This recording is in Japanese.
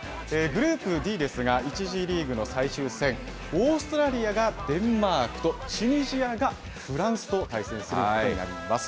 グループＤですが、１次リーグの最終戦、オーストラリアがデンマークと、チュニジアがフランスと対戦することになります。